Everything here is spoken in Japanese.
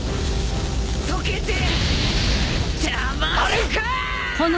溶けてたまるかー！